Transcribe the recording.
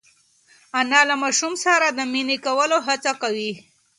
انا له ماشوم سره د مینې کولو هڅه کوي.